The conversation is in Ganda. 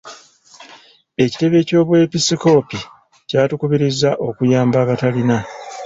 Ekitebe ky'obwebisikoopi kyatukubiriza okuyamba abatalina.